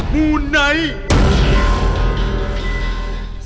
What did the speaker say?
บูนไนท์